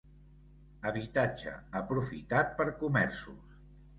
Habitatge aprofitat per comerços.